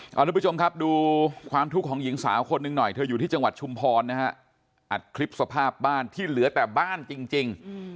เอาทุกผู้ชมครับดูความทุกข์ของหญิงสาวคนหนึ่งหน่อยเธออยู่ที่จังหวัดชุมพรนะฮะอัดคลิปสภาพบ้านที่เหลือแต่บ้านจริง